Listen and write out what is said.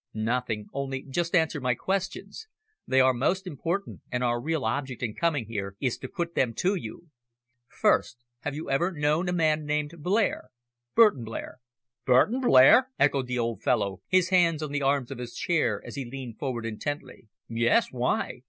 "Nothing, only just answer my questions. They are most important, and our real object in coming here is to put them to you. First, have you ever known a man named Blair Burton Blair." "Burton Blair!" echoed the old fellow, his hands on the arms of his chair as he leaned forward intently. "Yes, why?"